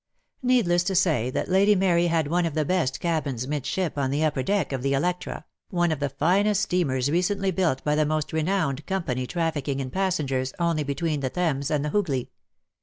DEAD LOVE HAS CHAINS. f '' Needless to say that Lady Mary had one of the best cabins, midship, on the upper deck of the Electro, one of the finest steamers recently built by the most renowned company trafficking in pas sengers only between the Thames and the Hoogly.